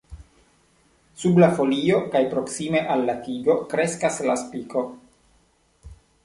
Sub la folio kaj proksime al la tigo kreskas la spiko.